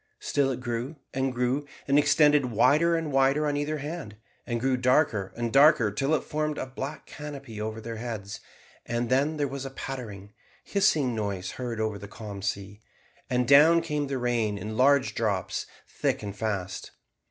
Still it grew, and grew, and extended wider and wider on either hand, and grew darker and darker till it formed a black canopy over their heads; and then there was a pattering, hissing noise heard over the calm sea, and down came the rain in large drops thick and fast.